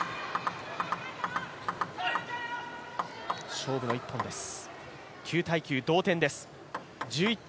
勝負の１本です。